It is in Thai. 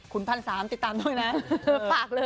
คุณพันสามติดตามด้วยนะ